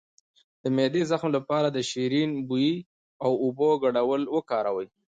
د معدې د زخم لپاره د شیرین بویې او اوبو ګډول وکاروئ